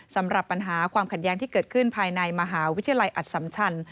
สำหรับปัญหาความขัดแย้งที่เกิดขึ้นภายในมหาวิทยาลัยอัตสัมชัน